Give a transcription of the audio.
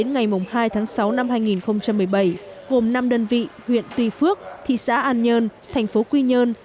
ngày hai tháng sáu năm hai nghìn một mươi bảy gồm năm đơn vị huyện tuy phước thị xã an nhơn thành phố quy nhơn